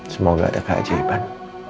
semoga ada keajaiban